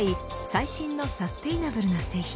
最新のサステイナブルな製品